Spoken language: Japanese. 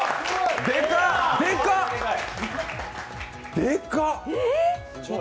でかっ。